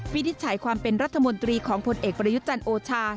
วินิจฉัยความเป็นรัฐมนตรีของผลเอกประยุจันทร์โอชา